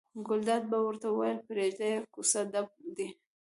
ګلداد به ورته ویل پرېږده یې کوڅه ډب دي.